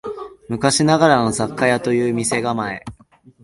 昔ながらの雑貨屋という店構え